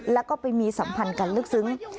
แล้วก็ไปมีสัมพันธ์กันลึกซึ้ง